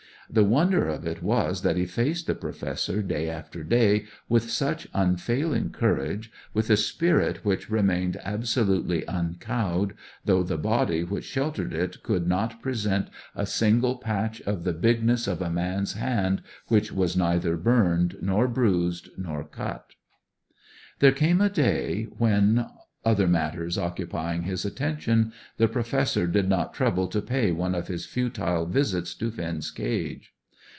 The wonder of it was that he faced the Professor day after day with such unfailing courage, with a spirit which remained absolutely uncowed, though the body which sheltered it could not present a single patch of the bigness of a man's hand which was neither burned, nor bruised, nor cut. There came a day when, other matters occupying his attention, the Professor did not trouble to pay one of his futile visits to Finn's cage.